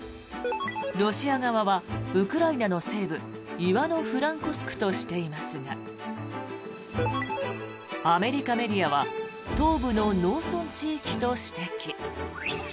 ロシア側はウクライナの西部イワノ・フランコスクとしていますがアメリカメディアは東部の農村地域と指摘。